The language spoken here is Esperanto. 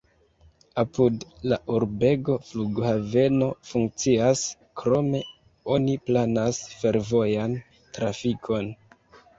Apud la urbego flughaveno funkcias, krome oni planas fervojan trafikon.